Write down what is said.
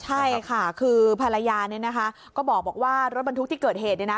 ใช่ค่ะคือภรรยาเนี่ยนะคะก็บอกว่ารถบรรทุกที่เกิดเหตุเนี่ยนะ